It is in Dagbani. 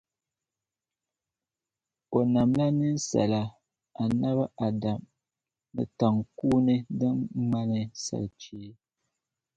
O namla ninsala Annabi Adam ni taŋkuuni din ŋmani salichee.